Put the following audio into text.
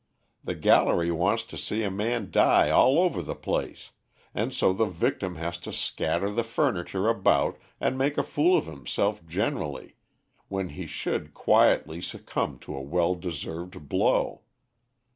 The gallery wants to see a man die all over the place, and so the victim has to scatter the furniture about and make a fool of himself generally, when he should quietly succumb to a well deserved blow.